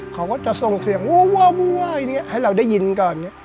เขาก็จะส่งเสียงว้าวว้าวว้าวให้เราได้ยินก่อน